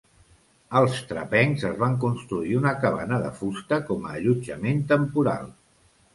Els trapencs es van construir una cabana de fusta com a allotjament temporal.